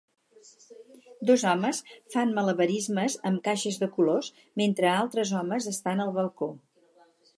Dos homes fan malabarismes amb caixes de colors mentre altres homes estan al balcó.